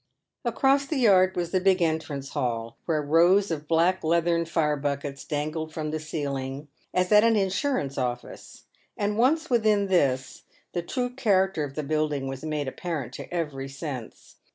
Across the yard was the big entrance hall, where rows of black leathern fire buckets dangled from the ceiling, as at an insurance office ; and once within this, the true character of the building was made apparent to every sense.